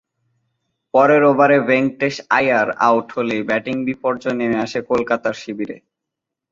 পরের ওভারে ভেঙ্কটেশ আইয়ার আউট হলেই ব্যাটিং বিপর্যয় নেমে আসে কলকাতার শিবিরে।